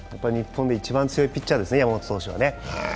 日本で一番強いピッチャーですね、山本投手はね。